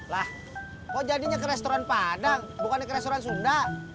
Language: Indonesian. lah kok jadinya ke restoran padang bukannya ke restoran sunda